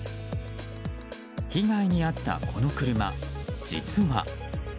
被害に遭ったこの車、実は。